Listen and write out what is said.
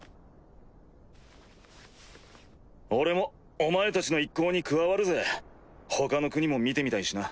俺もお前たちの一行に加わるぜ他の国も見てみたいしな。